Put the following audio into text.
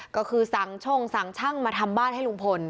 ก็คือสั่งช่งสั่งช่างมาทำบ้านให้ลุงพล